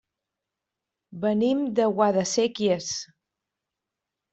Venim de Guadasséquies.